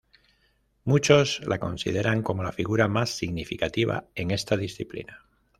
Muchos la consideran como la figura más significativa en esta disciplina.